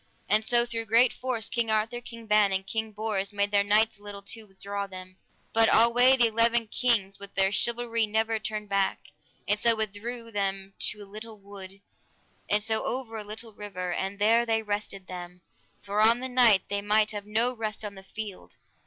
And so through great force King Arthur, King Ban, and King Bors made their knights a little to withdraw them. But alway the eleven kings with their chivalry never turned back; and so withdrew them to a little wood, and so over a little river, and there they rested them, for on the night they might have no rest on the field.